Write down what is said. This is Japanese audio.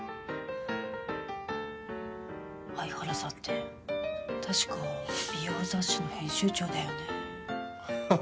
相原さんって確か美容雑誌の編集長だよね。